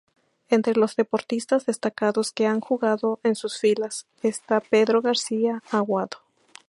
Entre los deportistas destacados que han jugado en sus filas está Pedro García Aguado.